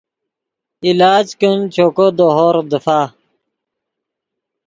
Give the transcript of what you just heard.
علاج کن چوکو دے ہورغ دیفا